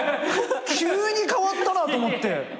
急に変わったなと思って。